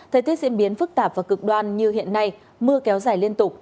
thời tiết diễn biến phức tạp và cực đoan như hiện nay mưa kéo dài liên tục